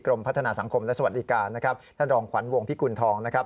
กรมพัฒนาสังคมและสวัสดีการท่านรองขวัญวงพี่กุญฑองนะครับ